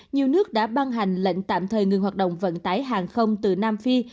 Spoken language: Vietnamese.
nhiều nước đã ban hành lệnh tạm thời ngừng hoạt động vận tải hàng không từ nam phi